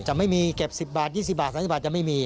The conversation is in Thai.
จะไม่มีเก็บ๑๐บาท๒๐บาท๓๐บาทจะไม่มี